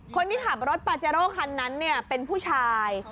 คนที่ขับรถปาเจโร่คันนั้นเป็นผู้ชาย